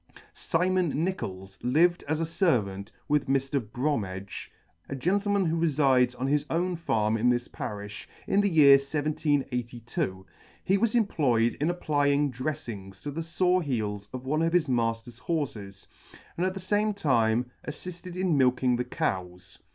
SIMON NICHOLS lived as a fervant with Mr. Bromedge, a gentleman who refides on his own farm in this parifh, in the year 1782. He was employed in applying dreflings to the fore heels of one of his mailer's horfes, and at the fame time attitted in milking the cows.